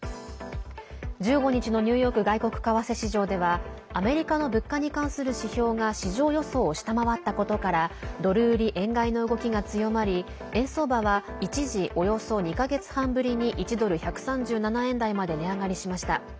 １５日のニューヨーク外国為替市場ではアメリカの物価に関する指標が市場予想を下回ったことからドル売り円買いの動きが強まり円相場は一時およそ２か月半ぶりに１ドル＝１３７円台まで値上がりしました。